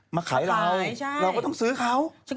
มาขายเราเราก็ต้องซื้อเขา